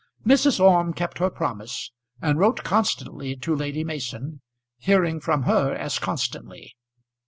Mrs. Orme kept her promise, and wrote constantly to Lady Mason, hearing from her as constantly.